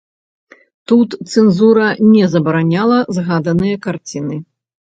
Тут цэнзура не забараняла згаданыя карціны.